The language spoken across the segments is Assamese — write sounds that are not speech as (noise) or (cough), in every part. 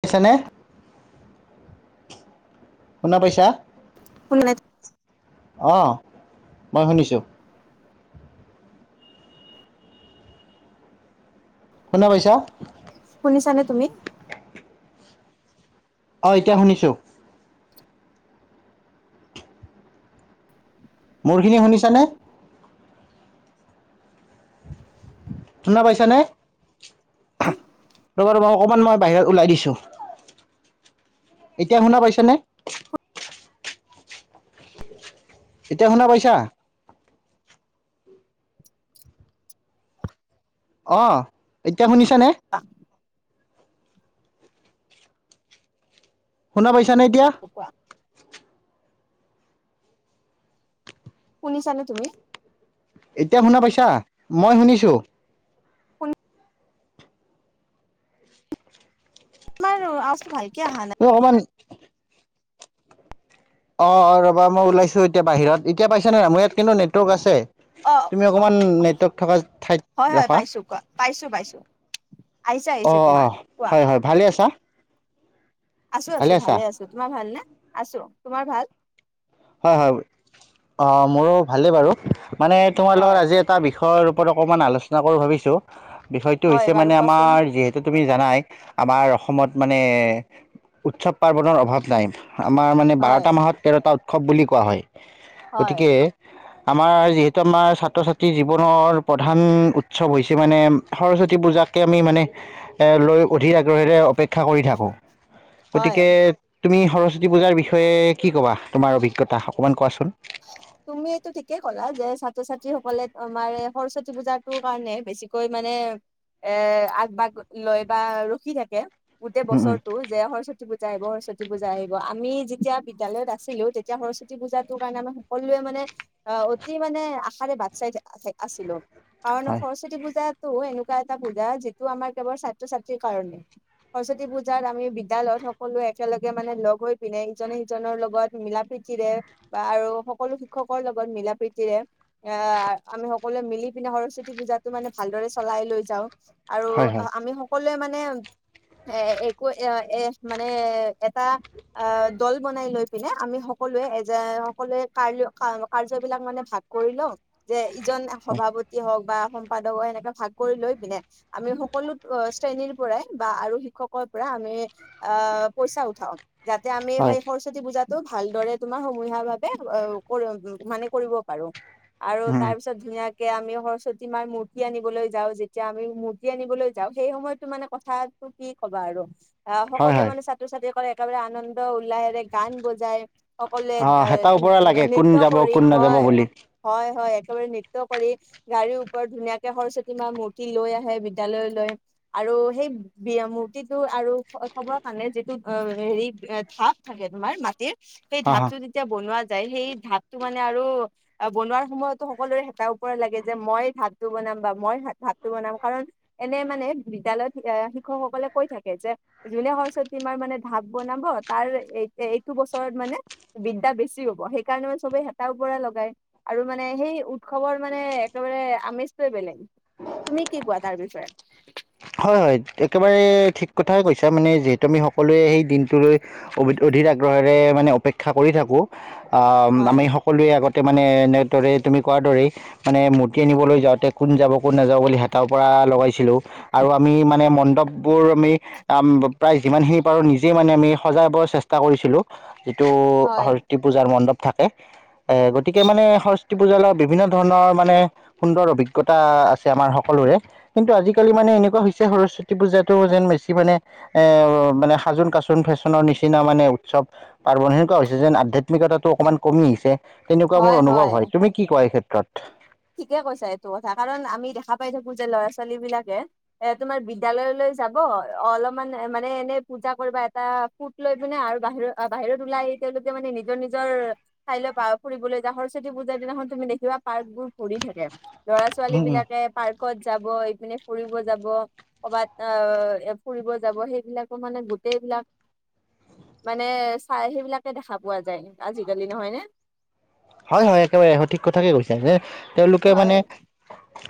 শুনিছানে? শুনা পাইছা। (unintelligible) অহ' মই শুনিছো। শুনা পাইছা? শুনিছা নে তুমি? অ', এতিয়া শুনিছোঁ। মোৰখিনি শুনিছানে? শুনা পাইছানে? ৰবা ৰবা অকমান মই বাহিৰত ওলাই দিছো। এতিয়া শুনা পাইছা নে? এতিয়া শুনা পাইচা? অ', এতিয়া শুনিছা নে? শুনা পাইছা নে এতিয়া? কোৱা। শুনিছা নে তুমি? এতিয়া শুনা পাইছা মই শুনিছো। তোমাৰ আৱাজটো ভালকে অহা নাই। অ', অকমান অ', অ', ৰবা মই ওলাইছো এতিয়া বাহিৰত এতিয়া পাইছা নে, মোৰ ইয়াত কিন্তু নেটৱৰ্ক আছে। অ' তুমি অকণমান নেটৱৰ্ক থকা ঠাইত হয় হয় ৰখা। পাইছো কোৱা পাইছো পাইছো আহিছে আহিছে অ', তোমাৰ অ', কোৱা। হয় হয় ভালে আছা? আছো আছো ভালে আছো তোমাৰ ভাল নে আছো তোমাৰ ভাল? হয় হয় অ, মোৰো ভালেই বাৰু মানে তোমাৰ লগত হয় আজি এটা বিষয়ৰ বিষয়টো অকমান আলোচনা কৰো ভাবিছোঁ বিষয়টো হয় হৈছে বাৰু মানে কোৱাচোন আমাৰ যিহেতু তুমি জানাই আমাৰ অসমত মানে উৎসৱ পাৰ্বনৰৰ অভাৱ নাই। আমাৰ মানে হয় বাৰটা মাহত তেৰটা উৎসৱ বুলি কোৱা হয় হয় গতিকে আমাৰ যিহেতু আমাৰ ছাত্ৰ ছাত্ৰী জীৱনৰ প্ৰধান উৎসৱ হৈছে মানে সৰস্বতী পূজা। তাকৈ আমি মানে লৈ অধিক আগ্ৰহেৰে অপেক্ষা কৰি থাকোঁ। হয়। গতিকে তুমি সৰস্বতী পূজাৰ বিষয়ে কি কবা? তোমাৰ অভিজ্ঞতা অকণমান কোৱাচোন। (inaudible) তুমি এইটো ঠিকেই ক'লা যে ছাত্ৰ ছাত্ৰী সকলে আমাৰে সৰস্বতী পূজাটো কাৰণে বেছিকৈ মানে এ আগভাগ লয় বা ৰখি থাকে গোটেই উম উম বছৰটো যে সৰস্বতী পূজা পূজা আহিব সৰস্বতী পূজা আহিব আমি যেতিয়া বিদ্যালয়ত আছিলো তেতিয়া সৰস্বতী পূজাতো কাৰণে আমি সকলোৱে মানে অ, অতি মানে আশাৰে বাট চাই আছিলো। কাৰণ হয় সৰস্বতী পূজাতটো এনেকুৱা এটা পূজা যিটো আমাৰ কেৱল ছাত্ৰ ছাত্ৰীৰ কাৰণে। সৰস্বতী পূজাত আমি বিদ্যালয়ত সকলোৱে একেলগে মানে লগ হৈ পিনে ইজনে সিজনৰ লগত মিলাাপ প্ৰীতিৰে বা আৰু সকলো শিক্ষকৰ লগত মিলা প্ৰীতিৰে এ আমি সকলোৱে মিলি পিনে সৰস্বতী পূজাটো মানে ভালদৰে চলাই লৈ যাওঁ। আৰু হয় হয় আমি সকলোৱে মানে এ একো এ এ মানে এটা অ, দল বনাই লৈ পিনে আমি সকলোৱে যে সকলোৱে কাৰ কাৰ্য বিলাক মানে ভাগ কৰি লওঁ যে জন হয় সভাপতি হওক বা সম্পাদক এনেকে ভাগ কৰি লৈ পিনে আমি সকলো শ্ৰেণীৰ পৰাই বা আৰু শিক্ষকৰ পৰা আমি অ, পইচা উঠাও যাতে আমি হয় সেই সৰস্বতী পূজাতটো ভালদৰে তুমাৰ সমূহীয়া ভাৱে মানে কৰিব পাৰো আৰু উম তাৰ পিছত ধুনীয়া কে আমি সৰস্বতী মাৰ মূৰ্তি আনিবলৈ যাওঁ, যেতিয়া আমি মূৰ্তি আনিবলৈ যাওঁ, সেই সময়তো মানে কথা কি কবা আৰু, আ, হয় সকলোৱে হয় মানে ছাত্ৰ ছাত্ৰী কৰে একেবাৰে আনন্দ উল্লাহেৰে গান বজাই। সকলোৱে অঁ হেতা ওপৰা এ লাগে কোন নৃত্য যাব কৰি কোন নাযাব হয় বুলি হয় হয়। একেবাৰে নৃত্য কৰি গাড়ীৰ ওপৰত ধুনীয়াকে সৰস্বতী মা মূৰ্তি লৈ আহে বিদ্যালয়লৈ। আৰু সেই বি মূৰ্তিটো আৰু খবৰ কাৰণে যিটো অ, হেৰি ধাপ থাকে মাটিৰ সেই অঁ অঁ ধাপটো যেতিয়া বনোৱা যায় সেই ধাতটো মানে আৰু বনোৱাৰ সময়তো সকলোৰে হেতা ওপৰা লাগে যে মই ধাপটো বনাই বা মই ভাতটো বনাম কাৰণ, এনে মানে বিদ্যালয়ত ঐ শিক্ষকসকলে কৈ থাকে যে। যোনে সৰস্বতী মাৰ মানে ভাত বনাব তাৰ এইটো বছৰত মানে। বিদ্যা বেছি হ'ব সেইকাৰণে, মানে চবেই হেতাৰ ওপৰা লগাই, আৰু মানে সেই উৎসৱৰ মানে একেবাৰে আমেজটোৱে বেলেগ। তুমি কি কোৱা তাৰ বিষয়ে? হয়, হয়। একেবাৰে ঠিক কথাই কৈছা মানে যিহেতু আমি সকলোৱে সেই দিনটোলৈ অধিক আগ্ৰহেৰে মানে অপেক্ষা কৰি থাকো। অহ, হয় আমি সকলোৱে আগত তে মানে এনেদৰে তুমি কোৱাৰ দৰেই, মানে মূৰ্তি আনিবলৈ যাওঁতে কোন যাব কোন নাযাব বুলি হেতা উপৰা আহ, লগাইছিলো। আৰু আমি মানে মণ্ডপবোৰ আমি প্ৰায়, যিমানখিনি পাৰো নিজেই মানে, আমি সজাব চেষ্টা কৰিছিলো যিটো হয় সৰতী পূজাৰ মণ্ডপ থাকে এ গতিকে মানে সৰস্বতী পূজাৰ লগত বিভিন্ন ধৰণৰ মানে, সুন্দৰ অভিজ্ঞতা আছে আমাৰ সকলো (unintelligible) কিন্তু, আজি কালি মানে এনেকুৱা হৈছে সৰস্বতী পূজাতটো যেন বেছি মানে, এ মানে সাজোন কাচোন ফেশ্বনৰ নিচিনা মানে। উৎসৱ পাৰ্বন সেনেকুৱা হৈছে, যেন আধ্যাত্মিকতাটো অকণমান কমি আহিছে। তেনেকুৱা মোৰ অনুভৱ হয়। তুমি কি কোৱা এই ক্ষেত্ৰত? ঠিকে কৈছা এইটো কথা, কাৰণ আমি দেখা পাই থাকো যে ল'ৰা-ছোৱালী বিলাকে, এ তোমাৰ বিদ্যালয়লৈ যাব, অলপমান মানে এনেই পূজা কৰিব এটা ফুট লৈ পিনে আৰু বাহিৰত বাহিৰত ওলাই। তেওঁলোকে মানে নিজৰ নিজৰ ঠাইলৈ পা ফুৰিবলৈ যা, সৰস্বতী পূজাৰ দিনাখন তুমি দেখিবা পাৰ্কবোৰ কৰি থাকে ল'ৰা-ছোৱালী উম উম। বিলাকে পাৰ্ক ক'ত যাব, এইপিনে ফুৰিব যাব। ক'ৰবাত অহ, ফুৰিব যাব সেইবিলাকো মানে সেইবিলাক। (inaudible) মানে, চাই সেইবিলাকে দেখা পোৱা যায়, আজিকালি নহয় নে? হয়! হয়! একেবাৰে সঠিক কথাকে কৈছে যে তেওঁলোকে হয় মানে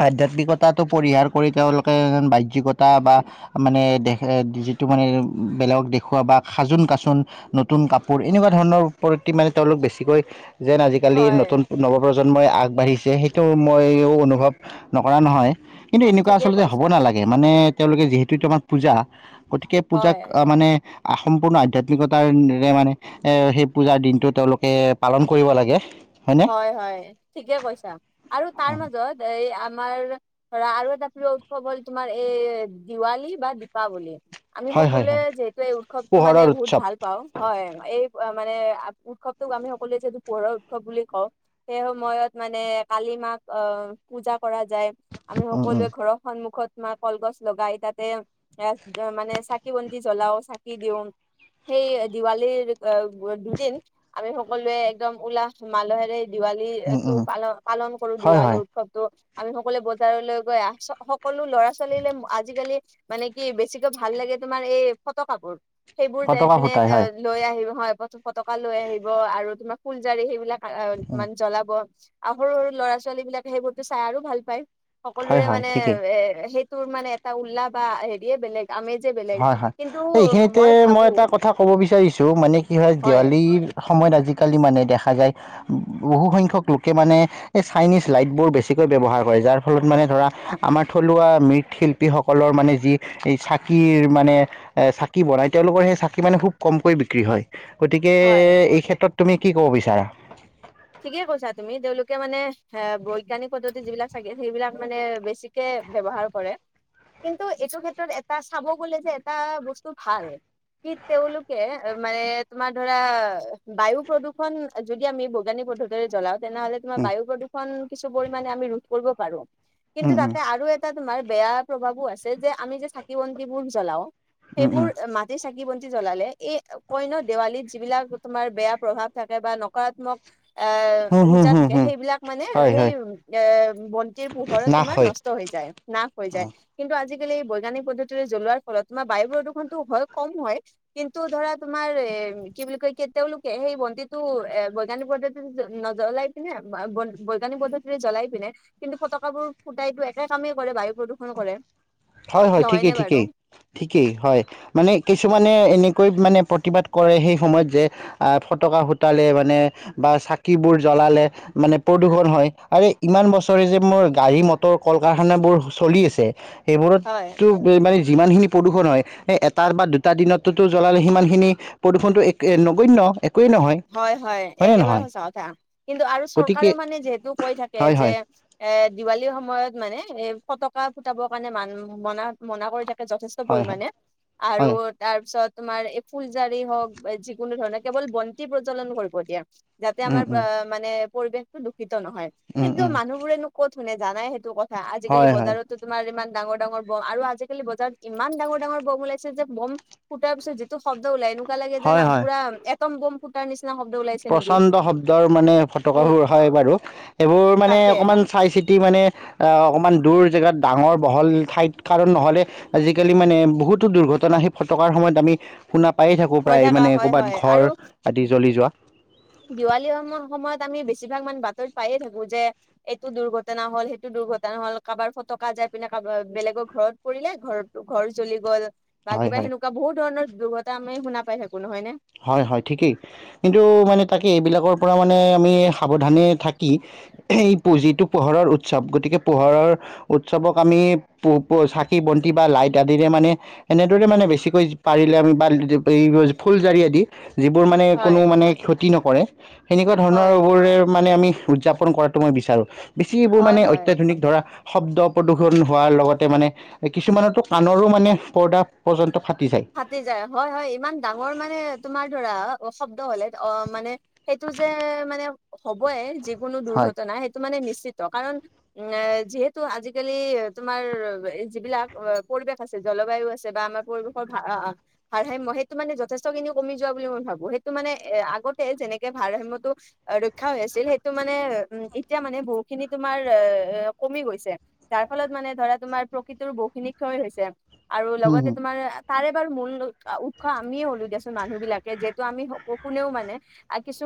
আধ্যাত্মিকতাটো পৰিহাৰ কৰি তেওঁলোকে বাহ্যকতা বা মানে ত' মানে বেলেগক দেখুওৱা বা সাজোন কাচোন নতুন কাপোৰ এনেকুৱা ধৰণৰ প্ৰতি মানে তেওঁলোক বেছিকৈ যে আজিকালি হয় নতুন নৱ প্ৰজন্মই আগবাঢ়িছে, সেইটো মইও অনুভৱ নকৰা নহয়। কিন্তু এনেকুৱা ঠিকে আচলতে হ'ব কৈছা নালাগে মানে, তেওঁলোকে যিহেতুটো আমাৰ পূজা। গতিকে পূজাক হয় অহ, মানে সম্পূৰ্ণ আধ্যাত্মিকতাৰে মানে সেই পূজাৰ দিনটো তেওঁলোকে পালন কৰিব লাগে। হয়নে হয়, হয়। ঠিকে কৈছা আৰু তাৰ মাজত এই তোমাৰ ধৰা আৰু এটা প্ৰিয় উৎসৱ হ'ল তোমাৰ এই দিৱালী বা দীপাৱলী আমি হয় হয় সকলোৱে হয় যিহেতু এই উৎসৱতটো মানে পোহৰৰ বহুত উৎসৱ ভাল পাওঁ। হয়, এই অহ' মানে উৎসৱটোক আমি সকলোৱে যিহেতু পোহৰৰ উৎসৱ বুলি কওঁ। সেই সময়ত মানে কালি মাক অহ, পূজা কৰা যায়। আমি উম সকলোৱে উম ঘৰৰ সন্মুখত তোমাৰ কলগছ লগাই, তাতে এ মানে চাকি বন্তি জ্বলাও চাকি দিওঁ। সেই দিৱালীৰ অহ, দুদিন আমি সকলোৱে একদম উলাহ। মালহেৰে উম দিৱালীটো উম পাল পালন কৰো, হয় দিৱালী হয় উৎসৱতটো। আমি সকলোৱে বজাৰলৈ গৈ সকলো ল'ৰা-ছোৱালীলে আজিকালি মানে কি বেছিকে ভাল লাগে। তোমাৰ এই ফটকাবোৰ। সেইবোৰ যাই ফটকা পিনে ফুটাই হয় অহ, লৈ আহিব হয় প ফটকা লৈ আহিব আৰু তোমাৰ ফুলজাৰি সেইবিলাক। অহ, উম মান জ্বলাব আৰু সৰু সৰু ল'ৰা-ছোৱালী বিলাকে সেইবোৰতো চাই আৰু ভাল পায়। হয় সকলোৰে হয় মানে, ঠিকেই এ সেইটোৰ মানে এটা উল্লাহ বা হেৰিয়ে বেলেগ। আমেজে বেলেগ হয়, হয়। কিন্তু এইখিনিতে মই এটা কথা ক'ব বিচাৰিছো মানে কি হয়, দেৱালীৰ সময়ত আজি আজিকালি মানে দেখা যায়, বহুসংখ্যক লোকে মানে এই চাইনিজ লাইটবোৰ বেছিকৈ ব্যৱহাৰ কৰে। যাৰ ফলত মানে ধৰা আমাৰ থলুৱা মৃৎশিল্পীসকলৰ মানে যি চাকি চাকিৰ মানে এ চাকি বনাই, তেওঁলোকৰ সেই চাকি মানে খুব কমকৈ বিক্ৰী হয়। গতিকে হয় এই ক্ষেত্ৰত তুমি কি কব বিচাৰা ঠিকেই কৈছা তুমি তেওঁলোকে মানে এ বৈজ্ঞানিক পদ্ধতি যিবিলাক চাগে সেইবিলাক মানে বেছিকে ব্য্ৱহাৰ কৰে কিন্তু এইটো ক্ষেত্ৰত এটা চাব গলে যে এটা বস্তু ভাল কি তেওঁলোকে মানে তোমাৰ ধৰা বায়ু প্ৰদূষণ যদি আমি ব ানী পদ্ধতিৰে জ্বলাও তেনেহলে তোমাৰ উম বায়ু প্ৰদূষণ কিছু পৰিমাণে আমি ৰোধ কৰিব পাৰো কিন্তু উম তাতে আৰু এটা তোমাৰ বেয়া প্ৰভাৱো আছে যে আমি যে চাকি বন্তিবোৰ জ্বলাও উম উম উম সেইবোৰ মাটি চাকি বি জ্বলালে এই কই্য দেৱালীত যিবিলাক তোমাৰ বেয়া প্ৰভাৱ থাকে বা নকাত্মক এ হুম হুম ওৰ্জা হুম থাকে হুম সেইবিলাক মানে হয় সেই হয় এ বন্তিৰ পোহৰত নাশ তোমাৰ হয় নষ্ট হৈ যায় না হৈ যায় কিন্তু আজিাল এই বৈজ্ঞানিক পদ্ধতিৰে জ্বলোৱাৰ ফলত তোমাৰ বায়ু প্ৰদূষণতটো হয় কম হয় কিন্তু ধৰা তোমাৰ এ কি বুলি কয় কেতিয়াও লোকে সেই বন্তিটো এ বজ্ানিক পদ্ধতিত নজ্বলাই পিনে বা বৈজ্ঞানিক পদ্ধতিৰে জ্বলাই পিনে কিন্তু ফটকা বোৰ ফুটাই এইটো একে কামেই কৰে বায়ু প্ৰদূষণ কৰে হয় হয় ঠিকেই নহয়নে বাৰু ঠিকেই ঠিকেই হয় মানে কিছুমানে এনে ম প্ৰতিবাদ কৰে সেই সময়ত যে ফকা সুতালে মানে বা চাকোৰ মানে প্ৰণ হয় ই বছৰে ম গাডী ম হয় যি হয় এটাৰ বা দুটা দিনতোতো জ্বলালে সিমান খিনি প্ৰদূষণটো এক নগন্য একোৱেই নহয় হয় হয় হয়নে একেবাৰে নহয় সঁচা কথা কিন্তু আৰু গতিকে চৰকাৰেও মানে যিহেতু কৈ থাকে হয় যে হয় এ দিৱালীৰ সময়ত মানে এই ফতকা ফুটাবৰ কাৰণে মান মনা মনা কৰি থাকে যথেষ্ট হয় হয় পৰিমণে আৰু হয় তাৰপিছত তোমাৰ এই ফুলজাৰি হওক বা যিকোনো ধৰণৰ কেৱল বন্তি প্ৰজলন কৰিব দিয়া যাতে উম আমাৰ উম মানে পৰিৱেশতটো দূষিত নহয় উম কিন্তু উম মানুহবোৰেনো ক'ত মানে জানাই সেইটো কথা আজিকালি হয় হয় বজাৰতো তোমাৰ ইমান ডাঙৰ ডাঙৰ বম আৰু আজিকালি বজাৰত ইমান ডাৰাঙৰ ব ওলাইছে যে বম ফুটাৰ পিত যিটো শ্দ ওলাই নো লাগে হয় যোনা পু হয় এ একম গম ফুটাৰ নিচিনা শব্দ ওলাইছে নেকি প্ৰচণ্ড শব্দৰ মানে মোৰ ফটকাবোৰ হয় বাৰু এইবোৰ মানে তাকে অকণমান চাই চিতি মানে অ অকণমান দূৰ জেগাত ডাঙৰ বহল ঠাইত কাৰণ নহলে আজিকালি মানে বহুতো দুৰ্ঘট ফটনা সেই ফটকাৰ সময়ত আমি শুনা পায়ে থাকো হৈ প্ৰায় থকা মানে হয় ক'ৰবাত হয় আৰু ঘৰ আদি জ্বলি যোৱা দিৱালী সম সময়ত আমি বেছিভাগ মান বাতৰি পায়ে থাকো যে এইটো দুৰ্ঘটনা হল সেইটো দুৰ্ঘটনা ন হ'ল কাৰোবাৰ ফটকা যাই পিনে কাৰবাৰ বেলেগৰ ঘৰত পৰিলে ঘৰ ঘৰ জ্বলি গ'ল বা হয় হয় কিবা সেনেকুৱা বহুত ধৰণৰ দুৰ্তা আমি শুনা পাই থাকো নহয় নে হয় হয় ঠিকেই কিন্তু মানে তাকে এইবিলাকৰ পৰা মানে আমি সাৱধানে থাকি এই পুঁজিটো পোহৰৰ উৎসৱ গতিকে পোহৰৰ উৎসৱক আমি প চাকি বন্তি বা লাইট আদিৰে মানে এনেদৰে মানে বেছিকৈ পাৰিলে আমি বা ফুল জাৰি যিবোৰ মানে কোনো হয় মানে ক্ষতি নকৰে সেনেকুৱা হয় ধৰণৰবোৰ মানে আমি উদযাপন কৰাটো মই বিচাৰো বেছি এবোৰ হয় মানে হয় অত্যাধুনিক ধৰা শব্দ প্ৰদূক্ষণ হোৱাৰ লগতে মানে কিছুমানতো কাণৰো মানে পৰ্দা পৰ্যন্ত ফাটি যায় ফাতিজায় হয় হয় ইমান ডাঙৰ মানে তোমাৰ ধৰা শব্দ হলে অ মানে সেইটো যে মানে হ'বই যিকোনো হয় দুৰ্ঘটনা সেইটো মানে নিশ্চ কাৰণ যিহেতু আজিকালি তোমাৰ যিবিলাক পৰিৱেশ আছে জলবায়ু আছে বা আমাৰ পৰিৱেশ ভাৰসাম্য় সেইটো মানে যথেষ্টখিনি কমি যোৱা বুলি মই ভাবো সেইটো মানে এ আগতে যেনেকে ভাৰসাম্যটো ৰক্ষা হৈ আছিল সেইটো মানে উ এতিয়া মানে বহু খিনি তোমাৰ ক গৈছে যাৰ ফলত মানে ধৰা তোমাৰ প্ৰকৃতিৰ বহু খিনি ক্ষয় হৈছে আৰু হুম লগতে হুম তোমাৰ তাৰে বাৰু মূল উৎস আমিয়ে হ'লো দিয়াচোন মানুহ বিলাকে যিহেতু আমি কোনেও মানে কিছু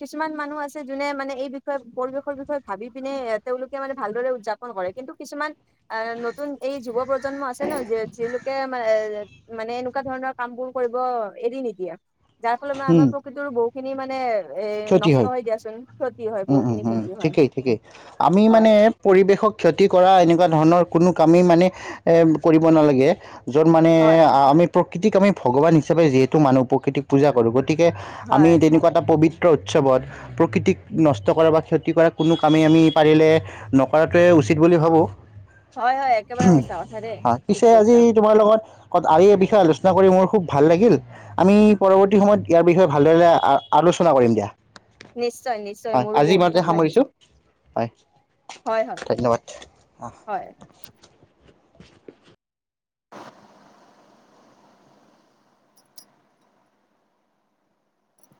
কিছুমান মানুহ আছে যোনে মানে এই বিষয়ে পৰিৱেশৰ বিষয়ে ভাবি পিনে তেওঁলোকে মানে ভালদৰে উৎযাপন কিন্তু কিছুমান আ নতুন যুৱপ্ৰজ্ প্ৰজন্ম আছে ন যি যিলোকে মানে এ- এনেকুৱা ধৰণৰ কাম বোৰ কৰিব এৰি নিদিয়ে। যাৰ ফলত মানে হুম আমাৰ প্ৰকৃতিৰো বহু খিনি মানে এ ক্ষতি নষ্ট হয় হৈ দিয়াচোন ক্ষতি হয় উম- উম বহুখিনি -উম ক্ষতি হয় ঠিকেই - ঠিকেই আমি মানে হয় পৰিৱেশক ক্ষতি কৰা এনেকুৱা ধৰণৰ কোনো কামেই মানে কৰিব নালাগে য'ত মানে হয় আমি প্ৰকৃতিক আমি ভগৱান হিচাপে যিহেতু মানু প্ৰকৃতিক পূজা কৰো গতিকে আমি হয় তেনেকুৱা এটা পবিত্ৰ। উৎসৱত প্ৰকৃতিক নষ্ট কৰা বা ক্ষতি কৰা কোনো কামেই আমি পাৰিলে নকৰাটোৱে উচিত বুলি ভাবো হয় হয় একেবাৰে সঁচা কথা দেই ঠিক পিছে আজি কৈছা তোমাৰ লগত আ আজি এই বিষয়ে আলোচনা কৰি মোৰ খুব ভাল লাগিল আমি পৰৱৰ্তী সময়ত ইয়াৰ বিষয়ে ভালদৰে আ আলোচনা সোচনা কৰিম দিয়া। নিশ্চয় - নিশ্চয় হয় মোৰ আজি বহুত ইমানতে ভাল লাগিল। সামৰিছোঁ হয় হয় হয় ধন্যবাদ অ, হয়